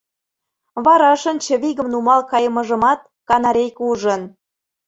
Варашын чывигым нумал кайымыжымат канарейке ужын.